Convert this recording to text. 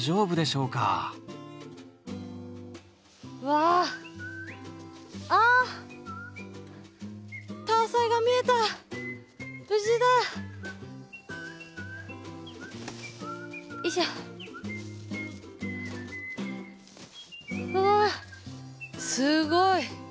うわすごい！